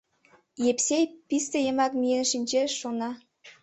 Епсей писте йымак миен шинчеш, шона.